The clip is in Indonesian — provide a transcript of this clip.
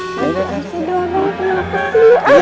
si doang kenapa kesini